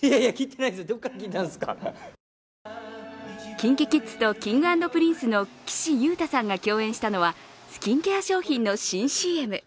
ＫｉｎＫｉＫｉｄｓとＫｉｎｇ＆Ｐｒｉｎｃｅの岸優太さんが共演したのはスキンケア商品の新ＣＭ。